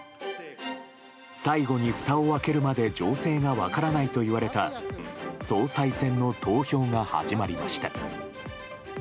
最後にふたを開けるまで情勢が分からないといわれた総裁選の投票が始まりました。